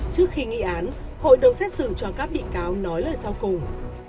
trước khi nghị án hội đồng xét xử cho các bị cáo nói lời sau cùng